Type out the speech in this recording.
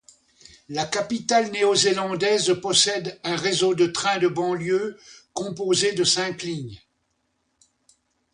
La capitale néo-zélandaise possède un réseau de trains de banlieue, composé de cinq lignes.